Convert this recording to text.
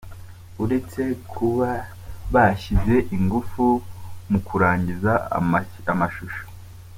Uretse kuba bashyize ingufu mu kurangiza amashusho.